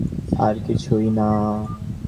কিন্তু এইভাবে কর্ম করার মত কঠিন আর কিছুই নাই।